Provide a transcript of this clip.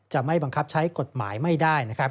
จะไม่บังคับใช้กฎหมายไม่ได้